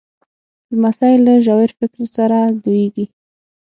لمسی له ژور فکر سره لویېږي.